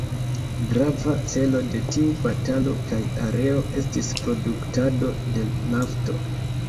Grava celo de tiu batalo kaj areo estis produktado de nafto.